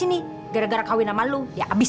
itu kan nyambung iris